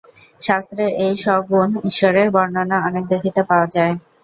শাস্ত্রে এই সগুণ ঈশ্বরের বর্ণনা অনেক দেখিতে পাওয়া যায়।